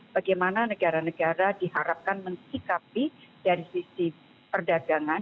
bagaimana negara negara diharapkan mensikapi dari sisi perdagangan